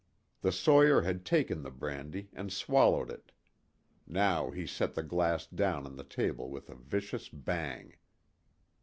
The sawyer had taken the brandy and swallowed it. Now he set the glass down on the table with a vicious bang.